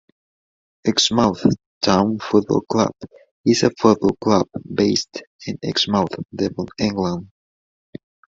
Exmouth Town Football Club is a football club based in Exmouth, Devon, England.